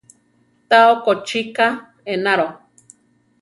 Tá okochi ká enaro.